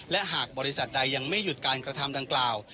และหากบริษัทใดยังไม่หยุดการกระทำดังกล่าว